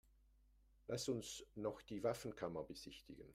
Lass uns noch die Waffenkammer besichtigen.